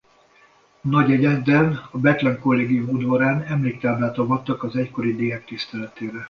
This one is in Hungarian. Nagyenyeden a Bethlen Kollégium udvarán emléktáblát avattak az egykori diák tiszteletére.